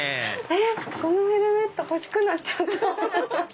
このヘルメット欲しくなっちゃった！